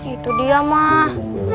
itu dia mah